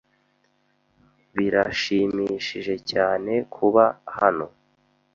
Birashimishije cyane kuba hano.